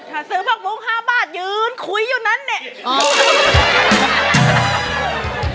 ถ้าซื้อผักบุ้ง๕บาทยืนคุยอยู่นั้นเนี่ย